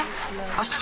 あした？